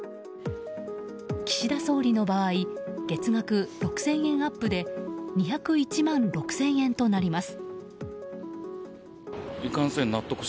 岸田総理の場合月額６０００円アップで２０１万６０００円となります。